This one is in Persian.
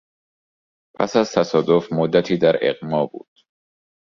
پس از تصادف مدتی در اغما بود.